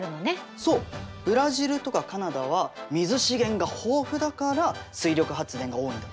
そうブラジルとかカナダは水資源が豊富だから水力発電が多いんだって。